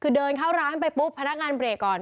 คือเดินเข้าร้านไปปุ๊บพนักงานเบรกก่อน